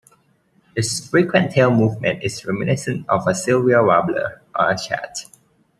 Its frequent tail movement is reminiscent of a "Sylvia" warbler or a chat.